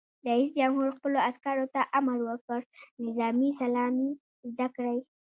رئیس جمهور خپلو عسکرو ته امر وکړ؛ نظامي سلامي زده کړئ!